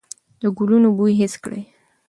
د ګلونو بوی حس کړئ.